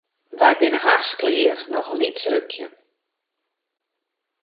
Wy binne hast klear, noch in lyts rukje.